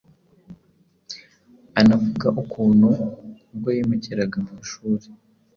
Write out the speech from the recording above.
Anavuga ukuntu ubwo yimukiraga mu ishuri